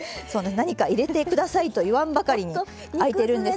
何か入れて下さいと言わんばかりにあいてるんです。